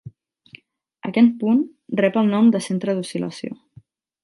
Aquest punt rep el nom de centre d'oscil·lació.